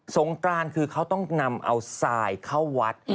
งกรานคือเขาต้องนำเอาทรายเข้าวัด